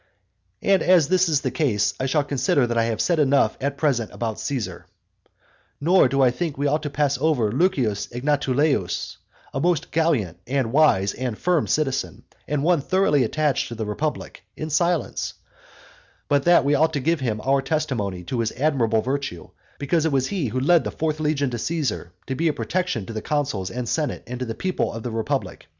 XIX. And as this is the case, I shall consider that I have said enough at present about Caesar. Nor do I think that we ought to pass over Lucius Egnatuleius, a most gallant and wise and firm citizen, and one thoroughly attached to the republic, in silence; but that we ought to give him our testimony to his admirable virtue, because it was he who led the fourth legion to Caesar, to be a protection to the consuls, and senate, and people of Rome, and the republic.